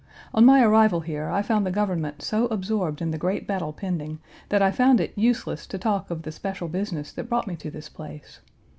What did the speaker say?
On my arrival here, I found the government so absorbed in the great battle pending, that I found it useless to talk of the special business that brought me to this place.